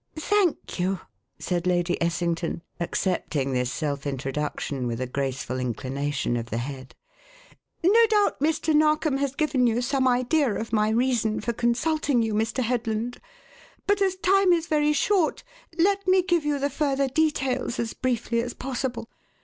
"Thank you," said Lady Essington, accepting this self introduction with a graceful inclination of the head. "No doubt Mr. Narkom has given you some idea of my reason for consulting you, Mr. Headland; but as time is very short let me give you the further details as briefly as possible.